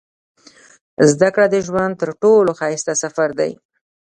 • زده کړه د ژوند تر ټولو ښایسته سفر دی.